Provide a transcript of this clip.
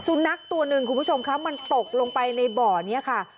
สุนัขตัวหนึ่งคุณผู้ชมคะมันตกลงไปในบ่อนี้ค่ะ